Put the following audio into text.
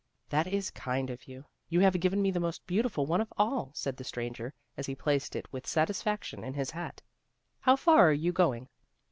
"That is kind of you. You have given me the most beautiful one of all," said the stranger, as he placed it with satisfaction in his hat. "How far are you going?"